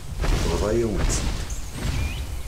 Tebḍa-yawen-tt-id.